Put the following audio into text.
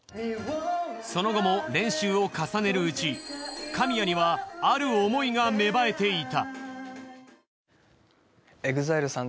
その後も練習を重ねるうち神谷にはある想いが芽生えていた。